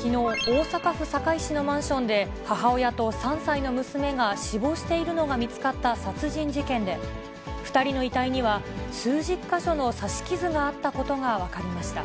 きのう、大阪府堺市のマンションで、母親と３歳の娘が死亡しているのが見つかった殺人事件で、２人の遺体には数十か所の刺し傷があったことが分かりました。